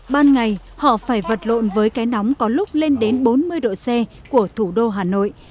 ban ngày họ phải vật lộn với cái nóng có lúc lên đến bốn mươi độ c của thủ đô hà nội